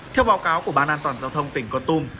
theo báo cáo của ban an toàn giao thông tỉnh con tum